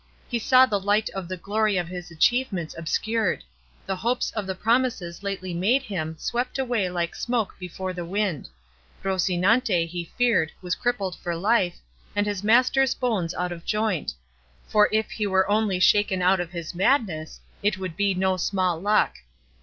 He saw the light of the glory of his achievements obscured; the hopes of the promises lately made him swept away like smoke before the wind; Rocinante, he feared, was crippled for life, and his master's bones out of joint; for if he were only shaken out of his madness it would be no small luck.